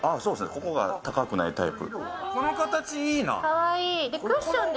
ここが高くないタイプ。